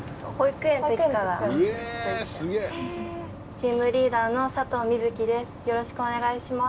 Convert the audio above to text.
チームリーダーの佐藤水綺です。